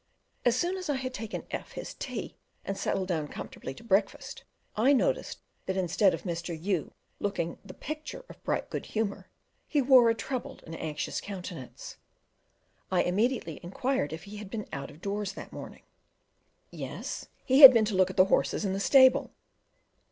As soon as I had taken F his tea and settled down comfortably to breakfast, I noticed that instead of Mr. U looking the picture of bright good humour, he wore a troubled and anxious countenance. I immediately inquired if he had been out of doors that morning? Yes, he had been to look at the horses in the stable.